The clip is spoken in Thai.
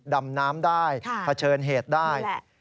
ดำน้ำได้เผชิญเหตุได้